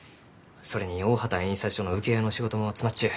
それに大畑印刷所の請負の仕事も詰まっちゅう。